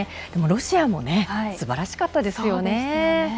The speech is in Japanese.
でもロシアもすばらしかったですよね。